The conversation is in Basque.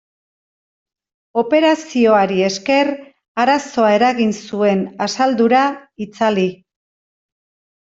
Operazioari esker arazoa eragin zuen asaldura itzali.